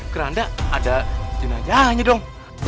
keranda ada jenajahnya dong